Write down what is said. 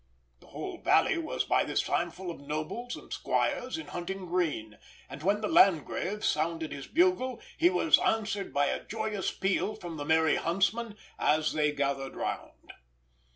The whole valley was by this time full of nobles and squires in hunting green; and when the Landgrave sounded his bugle, he was answered by a joyous peal from the merry huntsmen as they gathered round.